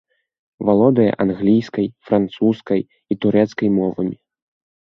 Валодае англійскай, французскай і турэцкай мовамі.